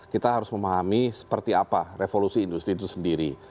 kita harus memahami seperti apa revolusi industri itu sendiri